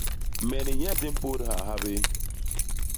Me ni nye di mpôdha ha bé.